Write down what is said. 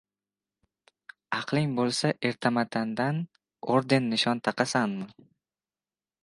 — Aqling bo‘lsa, ertamatandan orden-nishon taqasanmi?